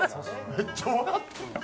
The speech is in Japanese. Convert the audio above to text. めっちゃ笑ってる。